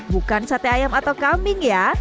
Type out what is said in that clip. bukan sate ayam atau kambing ya